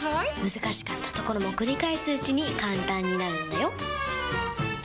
難しかったところも繰り返すうちに簡単になるんだよ！